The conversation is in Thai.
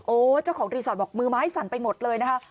เจ้าของรีสอร์ทบอกมือไม้สั่นไปหมดเลยนะคะ